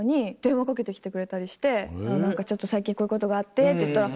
ちょっと最近こういうことがあってって言ったら。